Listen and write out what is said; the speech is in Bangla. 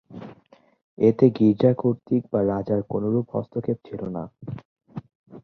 এতে গীর্জা কর্তৃপক্ষ বা রাজার কোনরূপ হস্তক্ষেপ ছিল না।